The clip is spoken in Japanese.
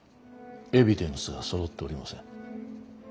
エビデンスがそろっておりません。